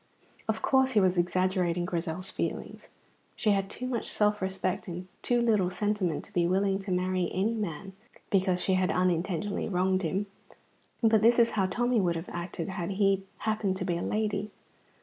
Of course he was exaggerating Grizel's feelings. She had too much self respect and too little sentiment to be willing to marry any man because she had unintentionally wronged him. But this was how Tommy would have acted had he happened to be a lady.